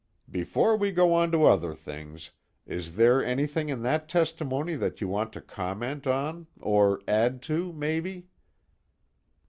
"Before we go on to other things, is there anything in that testimony that you want to comment on, or add to, maybe?"